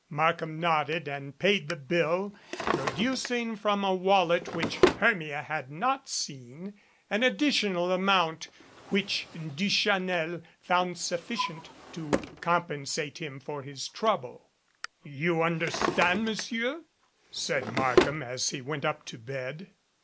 Markham nodded and paid the bill, producing from a 126 THE FAIRY GODMOTHER wallet which Hermia had not seen an additional amount which Duchanel found sufficient to compensate him for his trouble. "You understand, Monsieur?" said Markham, as he went up to bed.